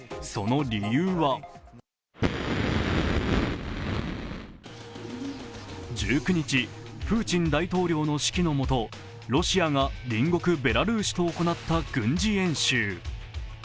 その理由は１９日、プーチン大統領の指揮の下、ロシアが隣国ベラルーシと行った軍事演習。